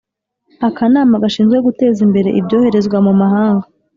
Akanama gashinzwe Guteza Imbere Ibyoherezwa mu Mahanga